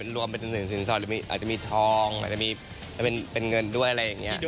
รวมเป็นสินสอดอาจจะมีทองอาจจะเป็นเงินด้วยอะไรอย่างนี้